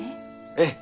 ええ。